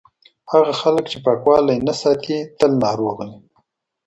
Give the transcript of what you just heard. هغه خلک چې پاکوالی نه ساتي، تل ناروغه وي.